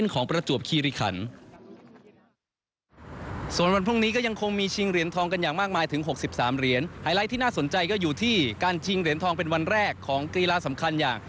การชิงเหรียญทองเป็นวันแรกของกีฬาสำคัญอย่าง